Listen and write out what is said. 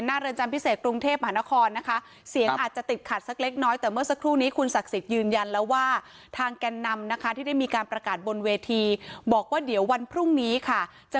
เรือนจำพิเศษกรุงเทพมหานครนะคะเสียงอาจจะติดขัดสักเล็กน้อยแต่เมื่อสักครู่นี้คุณศักดิ์สิทธิ์ยืนยันแล้วว่าทางแก่นนำนะคะที่ได้มีการประกาศบนเวทีบอกว่าเดี๋ยววันพรุ่งนี้ค่ะจะ